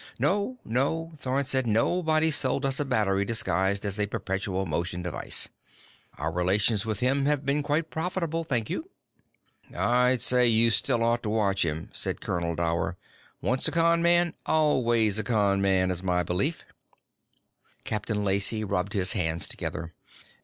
"No, no," Thorn said. "Nobody sold us a battery disguised as a perpetual motion device. Our relations with him have been quite profitable, thank you." "I'd say you still ought to watch him," said Colonel Dower. "Once a con man, always a con man, is my belief." Captain Lacey rubbed his hands together.